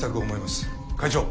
会長。